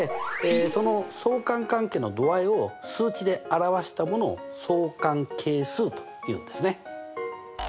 その相関関係の度合いを数値で表したものを相関係数というんですね。